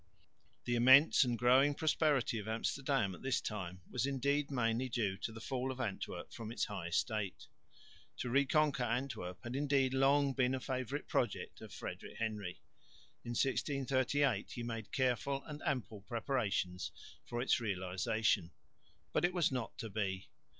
The immense and growing prosperity of Amsterdam at this time was indeed mainly due to the fall of Antwerp from its high estate. To reconquer Antwerp had indeed long been a favourite project of Frederick Henry. In 1638 he made careful and ample preparations for its realisation. But it was not to be.